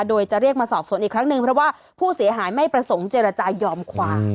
โดยจะเรียกมาสอบสวนอีกครั้งหนึ่งเพราะว่าผู้เสียหายไม่ประสงค์เจรจายอมความ